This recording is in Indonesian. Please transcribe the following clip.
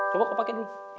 coba kau pakai dulu